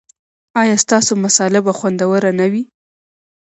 ایا ستاسو مصاله به خوندوره نه وي؟